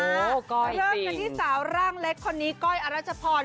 เริ่มกันที่สาวร่างเล็กคนนี้ก้อยอรัชพร